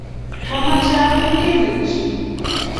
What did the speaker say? Mameche atil kelyek chich.